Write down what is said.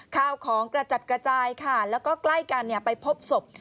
ข้าวของกระจัดกระจายค่ะแล้วก็ใกล้กันไปพบศพ